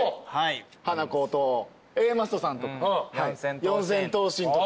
ハナコとＡマッソさん四千頭身とか。